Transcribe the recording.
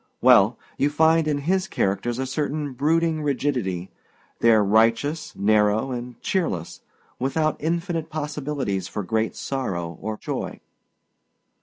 "Well, you find in his characters a certain brooding rigidity. They're righteous, narrow, and cheerless, without infinite possibilities for great sorrow or joy."